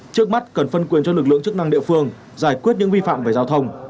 trước mắt cần phân quyền cho lực lượng chức năng địa phương giải quyết những vi phạm về giao thông